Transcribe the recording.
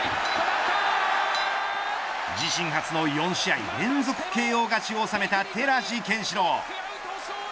自身初の４試合連続ＫＯ勝ちを収めた寺地拳四朗。